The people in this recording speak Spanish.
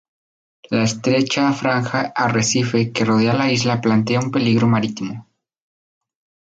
La estrecha franja arrecife que rodea la isla plantea un peligro marítimo.